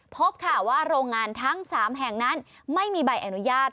พบค่ะว่าโรงงานทั้ง๓แห่งนั้นไม่มีใบอนุญาต